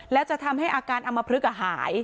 และจะทำให้อาการอามภฤกษ์อาหาย